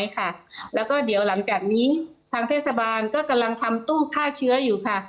ก็กำลังทำตู้ค่าเชื้ออยู่ค่ะ